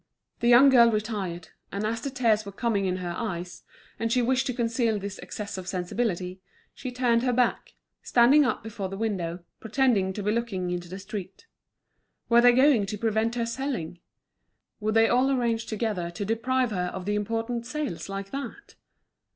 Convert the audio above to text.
The young girl retired, and as the tears were coming in her eyes, and she wished to conceal this excess of sensibility, she turned her back, standing up before the window, pretending to be looking into the street. Were they going to prevent her selling? Would they all arrange together to deprive her of the important sales, like that?